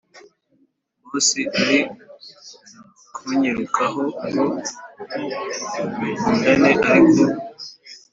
boss ari kunyirukaho ngo dukundane ariko